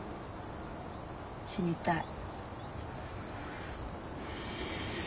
死にたい。